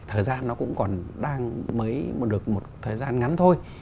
thời gian nó cũng còn đang mới được một thời gian ngắn thôi